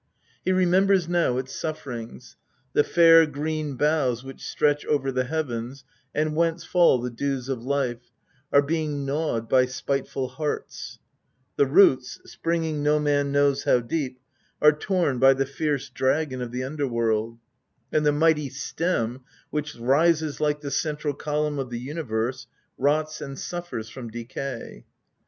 He remembers now its sufferings : the fair, green boughs which stretch over the heavens, and whence fall the dews of life, are being gnawed by spiteful harts ; the roots, springing no man knows how deep, are torn by the fierce dragon of the under world ; and the mighty stem which rises like the central column of the universe, rots and suffers from decay.